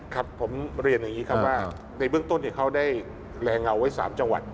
ครับผมเรียนอย่างนี้ครับว่าในเบื้องต้นเขาได้แรงเงาไว้๓จังหวัด